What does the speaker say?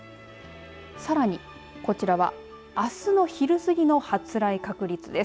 さらにこちらは、あすの昼過ぎの発雷確率です。